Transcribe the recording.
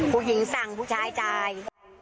ผู้หญิงสั่งผู้ชายจ่าย